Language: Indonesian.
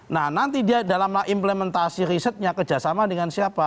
nah nanti dia dalam implementasi risetnya kerjasama dengan siapa